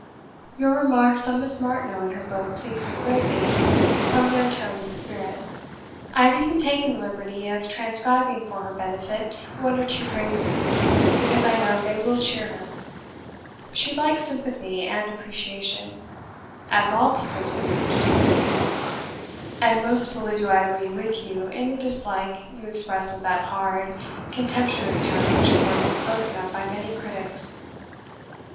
"Your remarks on Miss Martineau and her book pleased me greatly, from their tone and spirit. I have even taken the liberty of transcribing for her benefit one or two phrases, because I know they will cheer her; she likes sympathy and appreciation (as all people do who deserve them); and most fully do I agree with you in the dislike you express of that hard, contemptuous tone in which her work is spoken of by many critics."